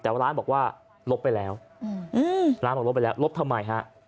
แต่ว่าร้านบอกว่าลบไปแล้วลบทำไมฮะ